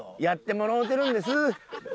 やってもろうてるんです。